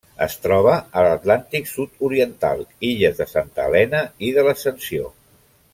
Es troba a l'Atlàntic sud-oriental: illes de Santa Helena i de l'Ascensió.